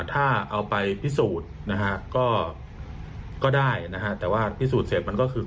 ถ้าเอาไปพิสูจน์นะฮะก็ได้นะฮะแต่ว่าพิสูจน์เสร็จมันก็คือ